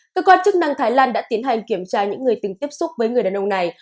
cơ quan chức năng thái lan đã tiến hành kiểm tra những người từng tiếp xúc với người đàn ông này